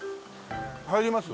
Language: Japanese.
入ります？